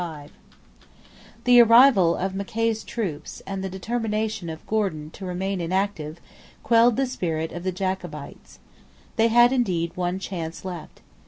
The arrival of Mackay's troops, and the determination of Gordon to remain inactive, quelled the spirit of the Jacobites. They had indeed one chance left.